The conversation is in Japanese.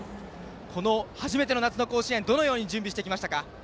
この初めての夏の甲子園のためにどう準備してきましたか。